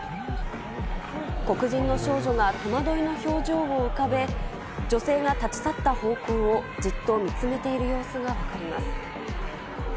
黒人の少女は戸惑いの表情を浮かべ、女性が立ち去った方向をじっと見つめている様子がわかります。